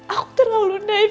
aku terlalu naif